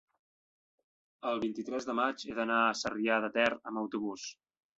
el vint-i-tres de maig he d'anar a Sarrià de Ter amb autobús.